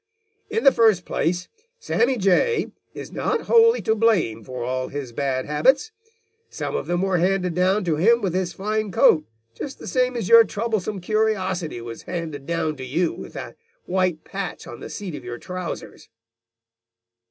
In the first place, Sammy Jay is not wholly to blame for all his bad habits. Some of them were handed down to him with his fine coat, just the same as your troublesome curiosity was handed down to you with the white patch on the seat of your trousers."